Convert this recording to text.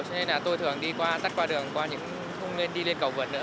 cho nên là tôi thường đi qua cắt qua đường qua những không nên đi lên cầu vượt nữa